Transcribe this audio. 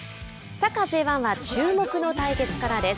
サッカーＪ１は注目の対決からです。